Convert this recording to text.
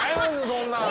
そんなん！